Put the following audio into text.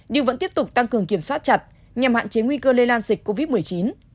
nhưng vẫn tiếp tục tăng cường kiểm soát chặt nhằm hạn chế nguy cơ lây lan dịch covid một mươi chín